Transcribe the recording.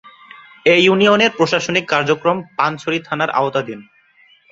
এ ইউনিয়নের প্রশাসনিক কার্যক্রম পানছড়ি থানার আওতাধীন।